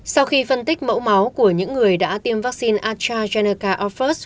sau khi phân tích mẫu máu của những người đã tiêm vaccine astrazeneca aufirst